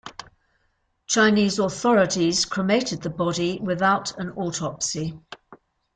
Chinese authorities cremated the body without an autopsy.